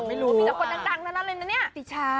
พี่จะกดดังดังเลยนะเนี่ย